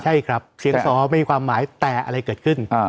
ใช่ครับเสียงสอมีความหมายแต่อะไรเกิดขึ้น